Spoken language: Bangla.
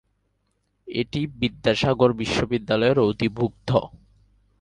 এটি বিদ্যাসাগর বিশ্ববিদ্যালয়ের অধিভুক্ত।